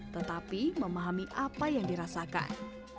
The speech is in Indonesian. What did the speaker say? tetapi memahami apa yang dirasakan